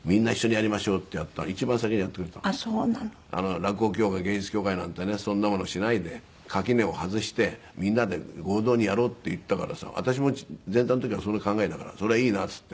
「落語協会芸術協会なんてねそんなものしないで垣根を外してみんなで合同にやろう」って言ったからさ私も前座の時からそんな考えだからそれはいいなって言って。